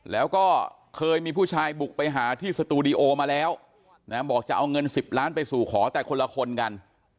แล้วก็เคยมีผู้ชายบุกไปหาที่สตูดิโอมาแล้วบอกจะเอาเงิน๑๐ล้านไปสู่ขอแต่คนละคนกัน